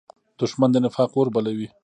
دښمن د نفاق اور بلوي